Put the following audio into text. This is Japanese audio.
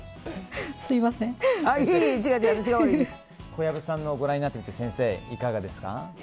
小籔さんのをご覧になって先生、いかがですか？